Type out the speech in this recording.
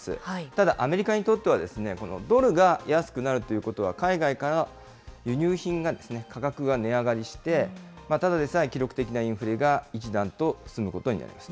ただ、アメリカにとっては、このドルが安くなるということは、海外からの輸入品が価格が値上がりして、ただでさえ記録的なインフレが一段と進むことになります。